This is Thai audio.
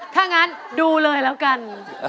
ถ้างั้นดูเลยแล้วกัน